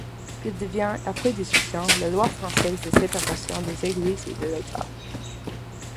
Il devient, après discussion, la loi française de séparation des Églises et de l’État.